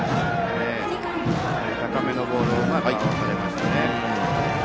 高めのボールをうまく合わされましたね。